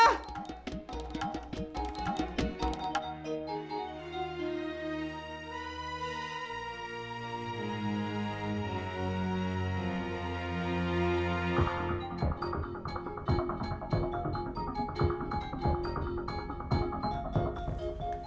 tunggu di rumah